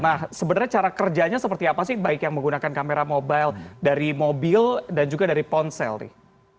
nah sebenarnya cara kerjanya seperti apa sih baik yang menggunakan kamera mobile dari mobil dan juga dari ponsel nih